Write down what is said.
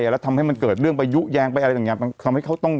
และทำให้มันเกิดเรื่องไปยุแยงอะไรต่าง